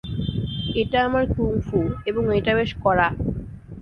এটা আমার কুংফু এবং এটা বেশ কড়া!